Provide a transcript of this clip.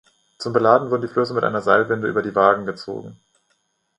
Zum Beladen wurden die Flöße mit einer Seilwinde über die Wagen gezogen.